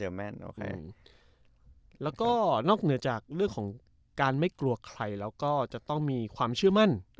แล้วก็นอกเหนือจากเรื่องของการไม่กลัวใครแล้วก็จะต้องมีความเชื่อมั่น